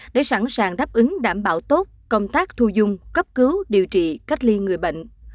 để sẵn sàng đáp ứng đảm bảo tốt công tác thu dung cấp cứu điều trị cách ly người bệnh